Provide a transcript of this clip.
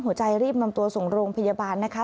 รีบนำตัวส่งโรงพยาบาลนะคะ